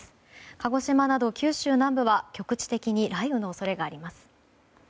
鹿児島など九州南部は局地的に雷雨の恐れがあります。